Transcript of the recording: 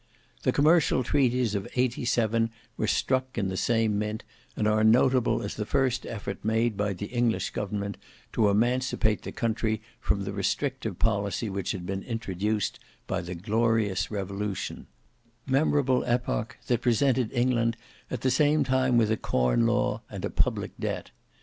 The commercial treaties of '87 were struck in the same mint, and are notable as the first effort made by the English government to emancipate the country from the restrictive policy which had been introduced by the "glorious revolution;" memorable epoch, that presented England at the same time with a corn law and a public debt.